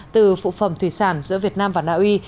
từ phụ phẩm thủy sản giữa việt nam và naui